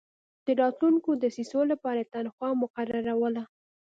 د راتلونکو دسیسو لپاره یې تنخوا مقرروله.